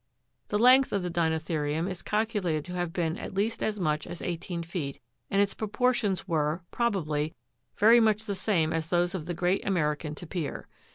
" The length of the Dinothe'rium is calculated to have been at least as much as eighteen feet, and its proportions were, probably, very much the same as those of the great American tapir.